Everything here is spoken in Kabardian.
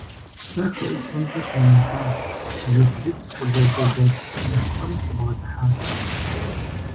Сэ хы ӀуфэмкӀэ сунэтӀащ, жыглыц къызэлэлэх нэпкъым сыбгъэдыхьащ.